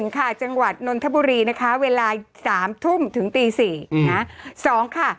ค่ะจังหวัดนนทบุรีนะคะเวลา๓ทุ่มถึงตี๔นะ